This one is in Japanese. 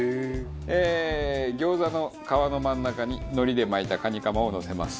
えー餃子の皮の真ん中に海苔で巻いたカニカマをのせます。